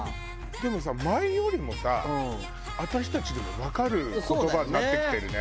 でもさ前よりもさ私たちでもわかる言葉になってきてるね。